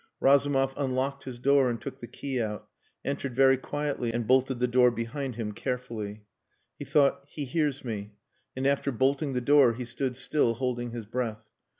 Razumov unlocked his door and took the key out; entered very quietly and bolted the door behind him carefully. He thought, "He hears me," and after bolting the door he stood still holding his breath.